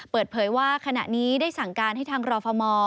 เปิดเผยว่าขณะนี้ได้สั่งการให้ทางรฟม